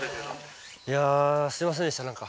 いやすいませんでした何か。